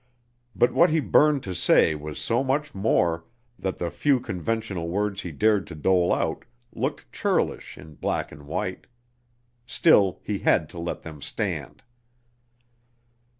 But what he burned to say was so much more, that the few conventional words he dared to dole out looked churlish in black and white. Still, he had to let them stand.